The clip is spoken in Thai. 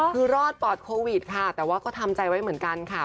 คือรอดปอดโควิดค่ะแต่ว่าก็ทำใจไว้เหมือนกันค่ะ